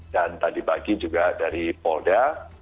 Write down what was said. dan tadi bagi juga dari polda